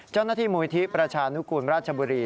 เจ้าหน้าที่มูลที่ประชานุกูลราชบุรี